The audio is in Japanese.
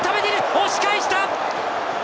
押し返した！